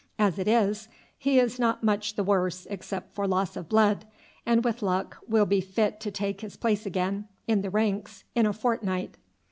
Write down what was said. As it is, he is not much the worse except for loss of blood, and with luck will be fit to take his place again in the ranks in a fortnight."